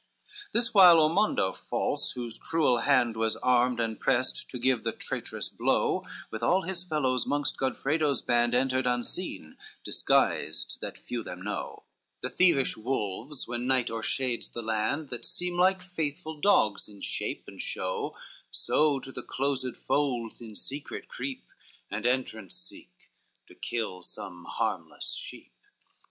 XLIV This while Ormondo false, whose cruel hand Was armed and prest to give the trait'rous blow, With all his fellows mongst Godfredo's band Entered unseen, disguised that few them know: The thievish wolves, when night o'ershades the land, That seem like faithful dogs in shape and show, So to the closed folds in secret creep, And entrance seek; to kill some harmless sheep.